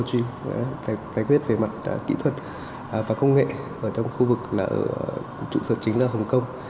để giải quyết về mặt kỹ thuật và công nghệ ở trong khu vực trụ sở chính là hồng kông